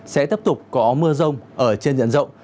sẽ tiếp tục có mưa rông ở trên diện rộng